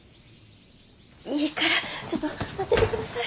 いいからちょっと待ってて下さい。